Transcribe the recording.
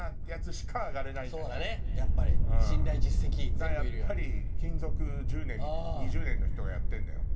だからやっぱり勤続１０年２０年の人がやってるんだよ。